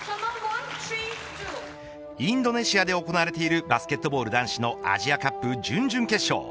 インドネシアで行われているバスケットボール男子のアジアカップ準々決勝。